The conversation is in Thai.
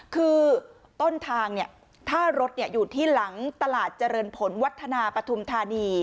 คือต้นทางเนี่ยถ้ารถเนี้ยอยู่ที่หลังตลาดเจริญพลวัฒนาปฐุมธานี